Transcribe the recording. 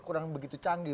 kurang begitu canggih